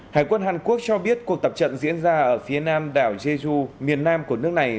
hải quân hàn quốc cho biết cuộc tập trận diễn ra ở phía nam đảo jeju miền nam của nước này